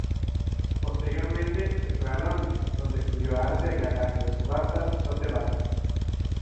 Posteriormente, se fue a Londres, donde estudió arte en la casa de subastas Sotheby's.